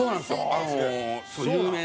あの有名な。